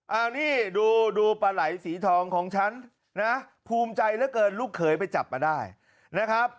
อันนี้ดูปลาไหล่สีทองของฉันนะภูมิใจเหลือเกินลูกเขยไปจับมาได้นะครับ